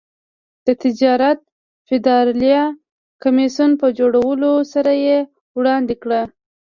د تجارت فدرالي کمېسیون په جوړولو سره یې وړاندې کړ.